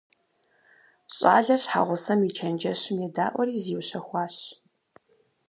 ЩӀалэр щхьэгъусэм и чэнджэщым едаӀуэри зиущэхуащ.